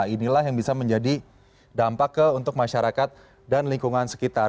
inilah yang bisa menjadi dampak untuk masyarakat dan lingkungan sekitar